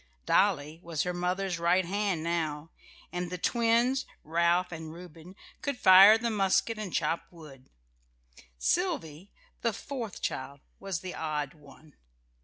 Dolly was her mother's right hand now; and the twins, Ralph and Reuben, could fire the musket and chop wood. Sylvy, the fourth child, was the odd one.